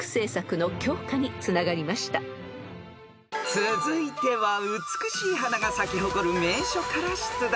［続いては美しい花が咲き誇る名所から出題］